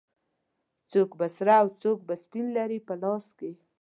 څوک به سره او څوک به سپین لري په لاس کې